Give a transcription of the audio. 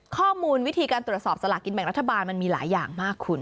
ข้อมูลวิธีการตรวจสอบสลากินแบ่งรัฐบาลมันมีหลายอย่างมากคุณ